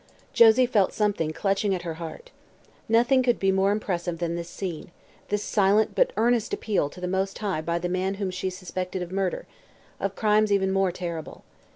Josie felt something clutching at her heart. Nothing could be more impressive than this scene this silent but earnest appeal to the Most High by the man whom she suspected of murder of crimes even more terrible.